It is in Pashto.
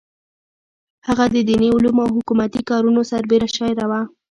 هغه د دیني علومو او حکومتي کارونو سربېره شاعره وه.